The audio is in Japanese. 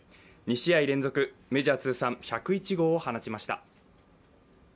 ２試合連続、メジャー通算１０１号を放ちました。